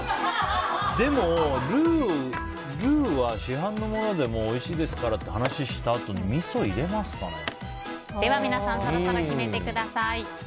でも、ルーは市販のものでもおいしいですからって話をしたあとにでは皆さんそろそろ決めてください。